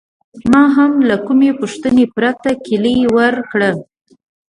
ما هم له کومې پوښتنې پرته کیلي ورکړه.